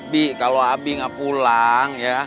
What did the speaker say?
bi kalau abi gak pulang ya